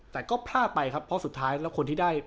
แต่ก็พลาดไปครับเพราะสุดท้ายแล้วคนที่ได้